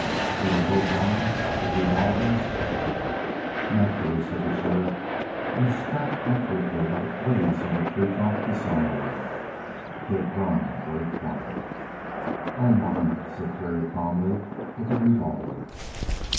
You are both armed? With revolvers?" "Nacher'ly," said the sheriff, and spat accurately at a blaze on the tree trunk beside him. He had grown very quiet. "I am armed," said Terry calmly, "with a revolver."